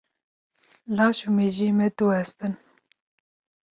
Laş û mejiyê me diwestin.